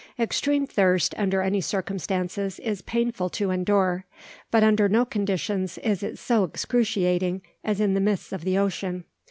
Extreme thirst, under any circumstances, is painful to endure; but under no conditions is it so excruciating as in the midst of the ocean.